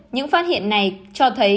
những phát hiện này cho thấy